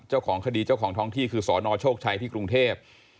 เจ้าของคดีเจ้าของท้องที่คือสนโชคชัยที่กรุงเทพ